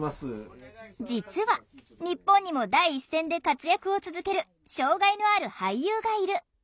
実は日本にも第一線で活躍を続ける障害のある俳優がいる。